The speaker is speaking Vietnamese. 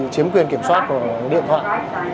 chiếm quyền kiểm soát của điện thoại